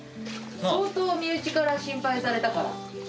相当、身内から心配されたから。